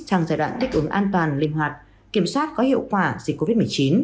sang giai đoạn tích ứng an toàn linh hoạt kiểm soát có hiệu quả dịch covid một mươi chín